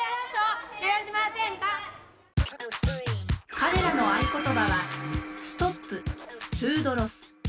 彼らの合言葉は「ストップ！フードロス」。